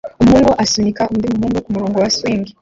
Umuhungu asunika undi muhungu kumurongo wa swing